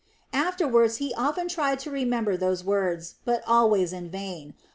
Afterwards he often tried to remember these words, but always in vain.